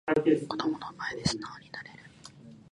子供の前で素直になれる